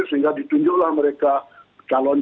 sehingga ditunjuklah mereka calon